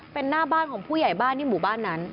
เป็นหน้าบ้านของผู้ใหญ่บ้านที่หมู่บ้านนั้น